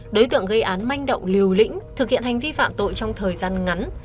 đối tượng gây án manh động liều lĩnh thực hiện hành vi phạm tội trong thời gian ngắn